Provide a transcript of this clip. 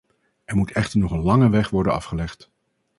Er moet echter nog een lange weg worden afgelegd.